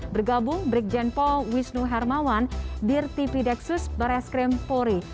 bergabung brikjen paul wisnu hermawan dirtipideksus baraskrim pori